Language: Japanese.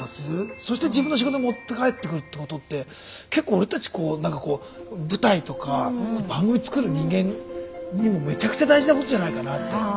そして自分の仕事に持って帰ってくるってことって結構俺たち何かこう舞台とか番組作る人間にもめちゃくちゃ大事なことじゃないかなって。